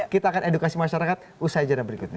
kita akan edukasi masyarakat usai jalan berikutnya